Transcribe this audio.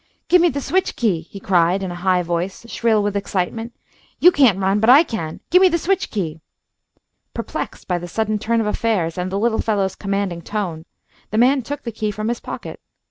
"Give me the switch key!" he cried, in a high voice, shrill with excitement. "You can't run, but I can. Give me the switch key!" Perplexed by the sudden turn of affairs and the little fellow's commanding tone, the man took the key from his pocket.